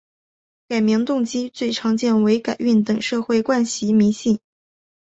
改名动机最常见为改运等社会惯习迷信。